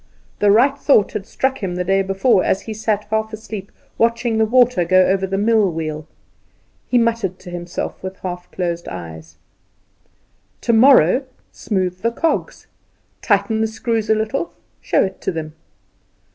The right thought had struck him the day before as he sat, half asleep, watching the water go over the mill wheel. He muttered to himself with half closed eyes: "Tomorrow smooth the cogs tighten the screws a little show it to them."